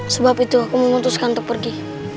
sebab itu aku memutuskan untuk pergi